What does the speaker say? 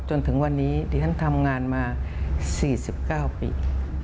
จนถึงวันนี้ดิฉันทำงานมา๔๙ปี